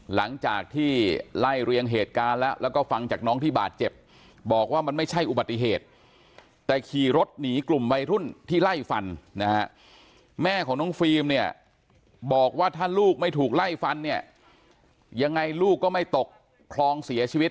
หลังจากที่ไล่เรียงเหตุการณ์แล้วแล้วก็ฟังจากน้องที่บาดเจ็บบอกว่ามันไม่ใช่อุบัติเหตุแต่ขี่รถหนีกลุ่มวัยรุ่นที่ไล่ฟันนะฮะแม่ของน้องฟิล์มเนี่ยบอกว่าถ้าลูกไม่ถูกไล่ฟันเนี่ยยังไงลูกก็ไม่ตกคลองเสียชีวิต